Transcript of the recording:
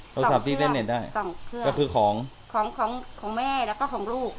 โทรศัพท์ที่เล่นเน็ตได้สองเครื่องก็คือของของของแม่แล้วก็ของลูก